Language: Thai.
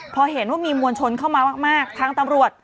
พอเห็นว่ามีมวลชนเข้ามามากทางตำรวจ